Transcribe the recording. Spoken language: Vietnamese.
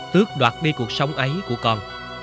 tước đoạt đi cuộc sống ấy của con